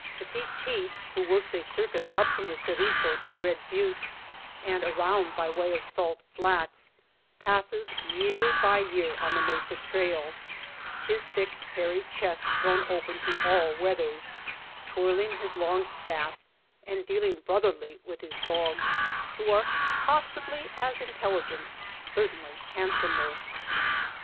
Petite Pete, who 156 THE MESA TRAIL works a circuit up from the Ceriso to Red Butte and around by way of Salt Flats, passes year by year on the mesa trail, his thick hairy chest thrown open to all weathers, twirling his long staff, and deal ing brotherly with his dogs, who are pos sibly as intelligent, certainly handsomer.